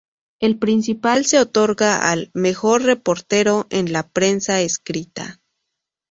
El principal se otorga al "mejor reportero en la prensa escrita".